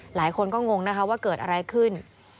หลายคนก็งงนะคะว่าเกิดอะไรขึ้น